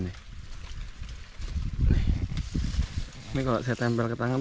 ini kalau saya tempel ke tangan